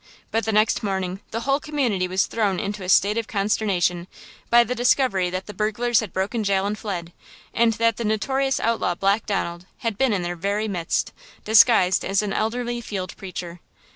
But the next morning the whole community was thrown into a state of consternation by the discovery that the burglars had broken jail and fled, and that the notorious outlaw Black Donald had been in their very midst, disguised as an elderly field preacher.